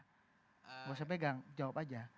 nggak usah pegang jawab aja